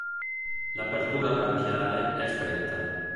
L'apertura branchiale è stretta.